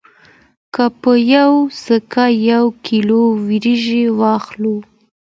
که په یوه سکه یو کیلو وریجې واخلو